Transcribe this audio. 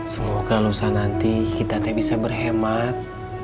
semoga lusa nanti kita tak bisa berhemat